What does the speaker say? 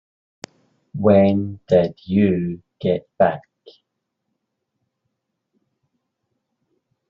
When did you get back?